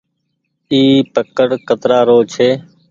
اي پڪڙ ڪترآ رو ڇي۔